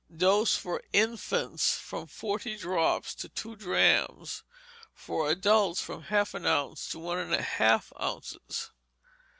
Dose for infants, from forty drops to two drachms; for adults, from half an ounce to one and a half ounces.